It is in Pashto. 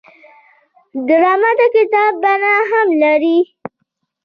ډرامه د کتاب بڼه هم لري